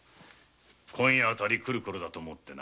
今夜あたり来るころだと思ってな。